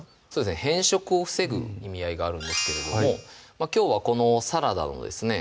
変色を防ぐ意味合いがあるんですけれどもきょうはこのサラダのですね